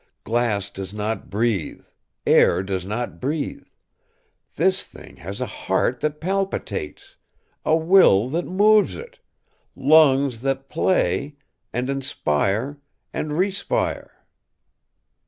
Glass does not breathe, air does not breathe. This thing has a heart that palpitates—a will that moves it—lungs that play, and inspire and respire.